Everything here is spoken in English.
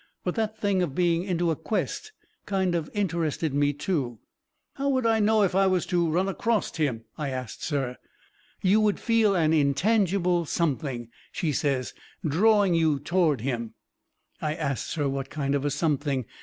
But that thing of being into a quest kind of interested me, too. "How would I know him if I was to run acrost him?" I asts her. "You would feel an Intangible Something," she says, "drawing you toward him." I asts her what kind of a something.